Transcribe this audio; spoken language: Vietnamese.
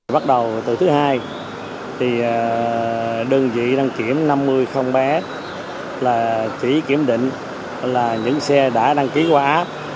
bắt đầu từ thứ hai thì đơn vị đăng kiểm năm mươi bé là chỉ kiểm định là những xe đã đăng ký qua app